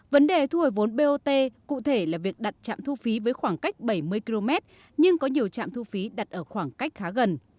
vấn đề thu hồi vốn bot cụ thể là việc đặt trạm thu phí với khoảng cách bảy mươi km nhưng có nhiều trạm thu phí đặt ở khoảng cách khá gần